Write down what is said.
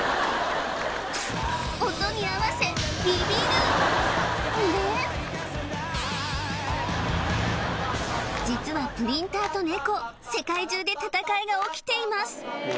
んで実はプリンターとネコ世界中で戦いが起きています